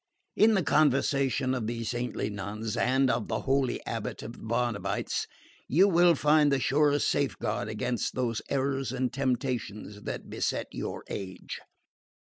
In the conversation of these saintly nuns, and of the holy Abbot of the Barnabites, you will find the surest safeguard against those errors and temptations that beset your age."